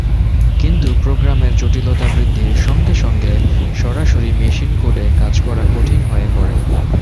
কিন্তু প্রোগ্রামের জটিলতা বৃদ্ধির সঙ্গে সঙ্গে সরাসরি মেশিন কোডে কাজ করা কঠিন হয়ে পড়ে।